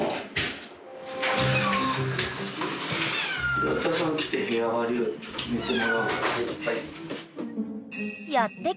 岩田さん来て部屋割りを決めてもらおう。